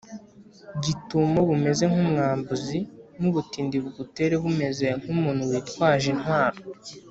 Gitumo bumeze nk umwambuzi nubutindi bugutere bumeze nk umuntu witwaje intwaro